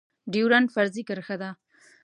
ډيورنډ فرضي کرښه ده